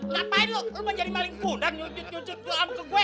lu menjadi maling kudang